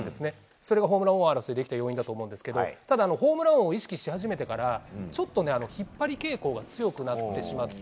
それがホームラン争いできた要因だと思うんですけどただホームラン王を意識し始めてからちょっと引っ張り傾向が強くなってしまって。